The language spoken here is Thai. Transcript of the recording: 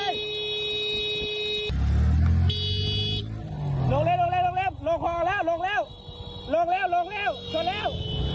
ลงเร็วลงเร็วส่วนแล้ว